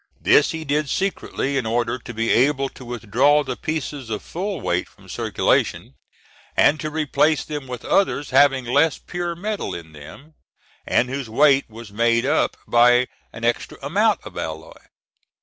This he did secretly, in order to be able to withdraw the pieces of full weight from circulation and to replace them with others having less pure metal in them, and whose weight was made up by an extra amount of alloy.